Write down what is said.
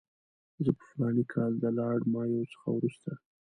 زه په فلاني کال کې د لارډ مایو څخه وروسته.